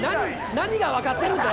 何がわかってるんだよ！？